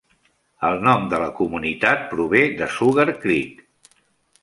El nom de la comunitat prové de Sugar Creek.